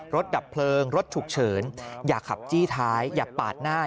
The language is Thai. ดับเพลิงรถฉุกเฉินอย่าขับจี้ท้ายอย่าปาดหน้า